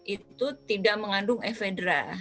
itu tidak mengandung ephedra